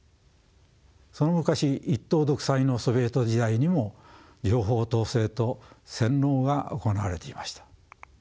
その昔一党独裁のソビエト時代にも情報統制と洗脳が行われていました。